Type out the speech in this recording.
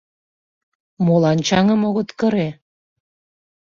Молан чаҥым огыт кыре?